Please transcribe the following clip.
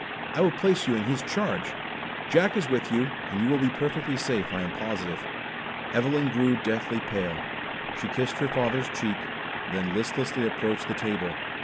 I will place you in his Charge. John is with you, and you will be perfectly safe, I am positive." Evelyn grew deathly pale. She kissed her father's cheek, then listlessly approached the table.